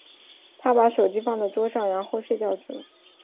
她把手机放在桌子上，然后睡觉去了。